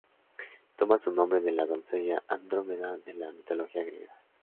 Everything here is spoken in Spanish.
Toma su nombre de la doncella Andrómeda de la mitología griega.